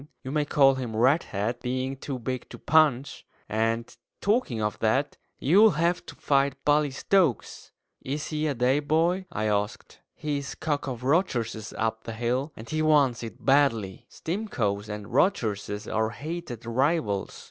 You may call him Redhead, being too big to punch; and, talking of that, you'll have to fight Bully Stokes." "Is he a day boy?" I asked. "He's cock of Rogerses up the hill, and he wants it badly. Stimcoes and Rogerses are hated rivals.